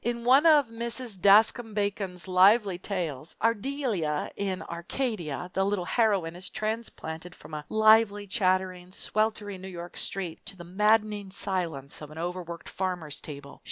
In one of Mrs. Daskam Bacon's lively tales, "Ardelia in Arcadia," the little heroine is transplanted from a lively, chattering, sweltering New York street to the maddening silence of an overworked farmer's table.